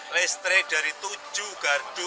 listrik dari tujuh gardu